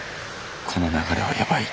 この流れはやばい。